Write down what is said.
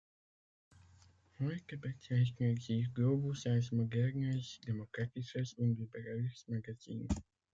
Heute bezeichnet sich "Globus" als modernes, demokratisches und liberales Magazin.